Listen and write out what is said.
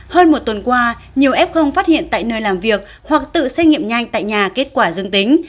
hơn một tuần qua nhiều f phát hiện tại nơi làm việc hoặc tự xét nghiệm nhanh tại nhà kết quả dương tính